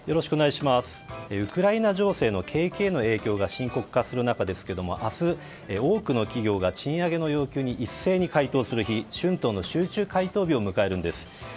ウクライナ情勢の景気への影響が深刻化する中ですが明日、多くの企業が賃上げの要求に一斉に回答する日春闘の集中回答日を迎えるんです。